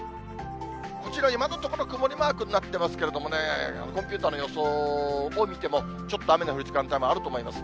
こちら、今のところ曇りマークになってますけどもね、コンピューターの予想を見ても、ちょっと雨の降る時間帯もあると思います。